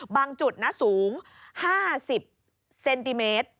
บางจุดสูง๕๐เซนติเมตร